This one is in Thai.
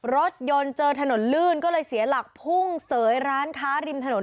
รถยนต์เจอถนนลื่นก็เลยเสียหลักพุ่งเสยร้านค้าริมถนน